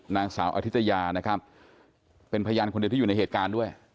นางสาวอธิตยานะครับเป็นพยานคนเดียวที่อยู่ในเหตุการณ์ด้วย